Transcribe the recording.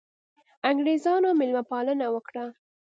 انګرېزانو مېلمه پالنه وکړه.